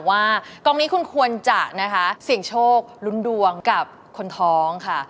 ว่ากองนี้คุณควรจะนะคะเสี่ยงโชคลุ้นดวงกับคนท้องค่ะ